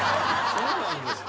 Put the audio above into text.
そうなんですか？